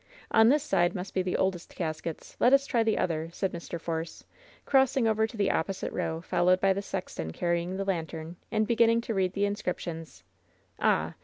"On this side must be the oldest caskets ; let us try the other,^^ said Mr. Force, crossing over to the opposite row> followed by the sexton carrying the lantern, and begin ning to read the inscriptions: "Ah!